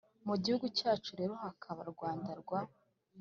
mu gihugu cyacu rero hakaba rwanda rwa